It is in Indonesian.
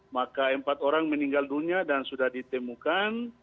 maka empat orang meninggal dunia dan sudah ditemukan